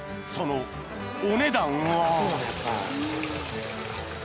［そのお値段は］え！？